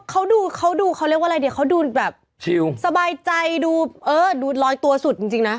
เออแล้วเขาดูเขาเรียกว่าอะไรเนี่ยเขาดูแบบสบายใจดูรอยตัวสุดจริงนะ